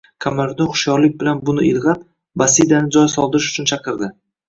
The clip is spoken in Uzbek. Qamariddin hushyorlik bilan buni ilg‘ab, Basidani joy soldirish uchun chaqirdi